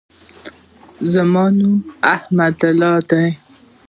زما نوم حمیدالله دئ.